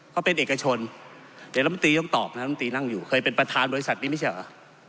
เขาเป็นเอกชนเดี๋ยวรัฐมนตรีต้องตอบนะครับลำตีนั่งอยู่เคยเป็นประธานบริษัทนี้ไม่ใช่เหรอ